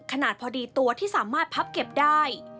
ขนาดพอดีตัวที่สามารถพับเก็บได้